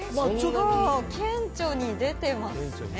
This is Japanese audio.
結構、顕著に出てますね。